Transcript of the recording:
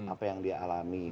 apa yang dia alami